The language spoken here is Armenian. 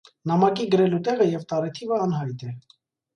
Նամակի գրելու տեղը և տարեթիվը անհայտ է։